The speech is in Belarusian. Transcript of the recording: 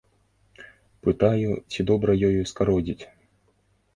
Пытаю, ці добра ёю скародзіць.